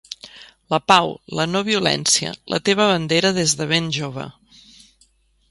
La pau, la no-violència, la teva bandera des de ben jove.